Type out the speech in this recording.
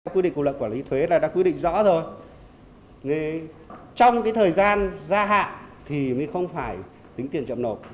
quy định của lợi quản lý thuế đã quy định rõ rồi trong thời gian gia hạn thì không phải tính tiền chậm nộp